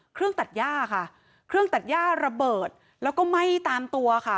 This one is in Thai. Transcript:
เครื่องตัดย่าค่ะเครื่องตัดย่าระเบิดแล้วก็ไหม้ตามตัวค่ะ